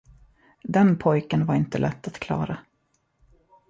Den pojken var inte lätt att klara.